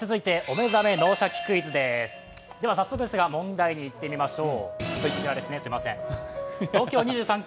早速ですが問題にいってみましょう。